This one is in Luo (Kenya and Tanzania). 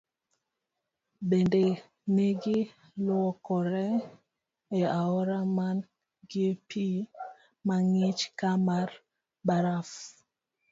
Bende negi luokore e aora man gi pii mang'ich ka mar baraf.